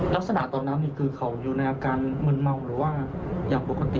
ลักษณะตอนนั้นคือเขาอยู่ในอาการมึนเมาหรือว่าอย่างปกติ